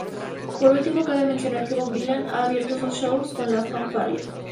Por último cabe mencionar que Bob Dylan ha abierto sus shows con la fanfarria.